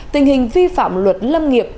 tình hình vi phạm luật lâm nghiệp